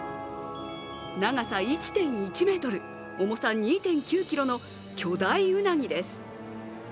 長さ１．１ｍ、重さ２．９ｋｇの巨大ウナギです。